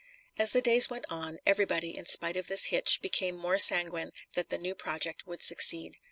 As the days went on everybody, in spite of this hitch, became more sanguine that the new project would succeed.